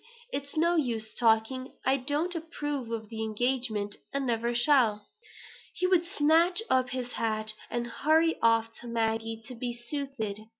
it's no use talking. I don't approve of the engagement; and never shall." He would snatch up his hat, and hurry off to Maggie to be soothed.